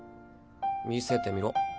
見せてみろ。